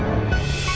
terus kita coba aja